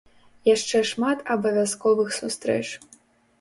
Яшчэ шмат абавязковых сустрэч.